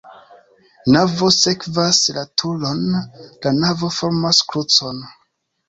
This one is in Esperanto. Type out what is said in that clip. Navo sekvas la turon, la navo formas krucon.